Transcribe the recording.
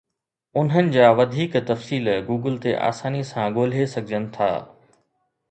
انهن جا وڌيڪ تفصيل گوگل تي آساني سان ڳولي سگهجن ٿا.